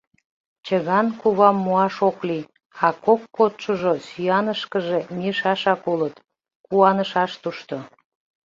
Чыган кувам муаш ок лий, а кок кодшыжо сӱанышкыже мийышашак улыт, куанышаш тушто.